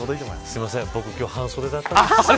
すいません僕、今日半袖だったんです。